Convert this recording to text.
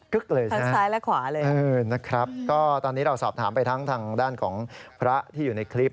กึ๊กเลยใช่ไหมนะครับตอนนี้เราสอบถามไปทั้งทางด้านของพระที่อยู่ในคลิป